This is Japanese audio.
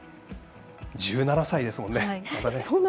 １７歳ですもんね。